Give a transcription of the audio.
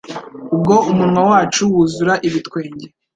Ubwo umunwa wacu wuzura ibitwenge